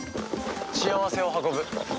幸せを運ぶ。